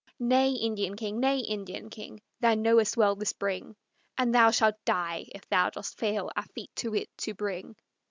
"Nay, Indian king; nay, Indian king, Thou knowest well the spring, And thou shalt die if thou dost fail our feet to it to bring."